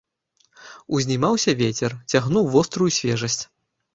Узнімаўся вецер, цягнуў вострую свежасць.